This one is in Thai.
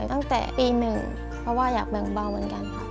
ตั้งแต่ปี๑เพราะว่าอยากแบ่งเบาเหมือนกันค่ะ